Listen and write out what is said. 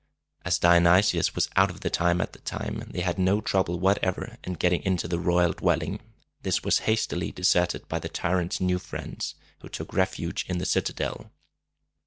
As Dionysius was out of town at the time, they had no trouble whatever in getting into the royal dwelling. This was hastily deserted by the tyrant's few friends, who took refuge in the citadel.